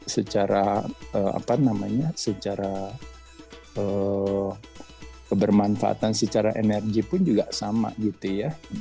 secara apa namanya secara kebermanfaatan secara energi pun juga sama gitu ya